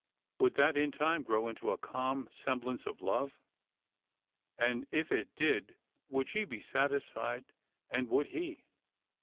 Would that in time grow into a calm semblance of love? And if it did, would she be satisfied? and would he?